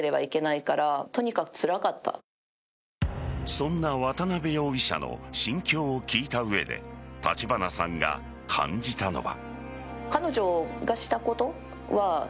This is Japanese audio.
そんな渡辺容疑者の心境を聞いた上で立花さんが感じたのは。